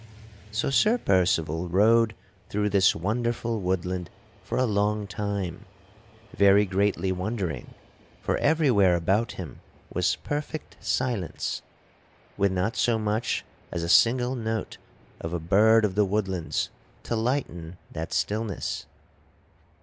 So Sir Percival rode through this wonderful woodland for a long time very greatly wondering, for everywhere about him was perfect silence, with not so much as a single note of a bird of the woodlands to lighten that stillness.